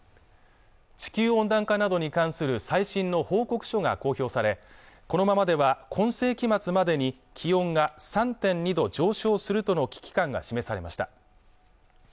地球温暖化などに関する最新の報告書が公表されこのままでは今世紀末までに気温が３．２度上昇するとの危機感が示されました